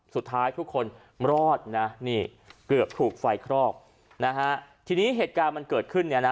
สุดท้ายทุกคนรอดนะนี่เกือบถูกไฟคลอกนะฮะทีนี้เหตุการณ์มันเกิดขึ้นเนี่ยนะ